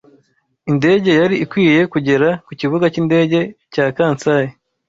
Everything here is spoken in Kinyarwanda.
Indege yari ikwiye kugera ku Kibuga cyindege cya Kansai.